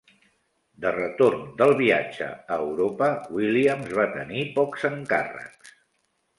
De retorn del viatge a Europa, Williams va tenir pocs encàrrecs.